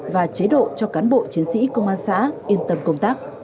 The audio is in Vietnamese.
và chế độ cho cán bộ chiến sĩ công an xã yên tâm công tác